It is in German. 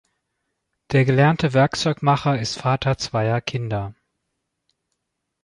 Der gelernte Werkzeugmacher ist Vater zweier Kinder.